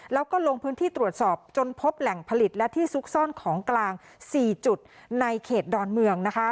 แล้วก็ลงพื้นที่ตรวจสอบจนพบแหล่งผลิตและที่ซุกซ่อนของกลาง๔จุดในเขตดอนเมืองนะคะ